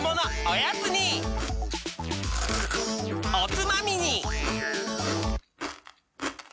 おつまみに！